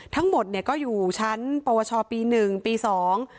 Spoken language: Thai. ทั้งหมดเนี่ยก็อยู่ชั้นปวชปีหนึ่งปีสอง